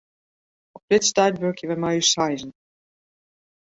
Op dit stuit wurkje wy mei ús seizen.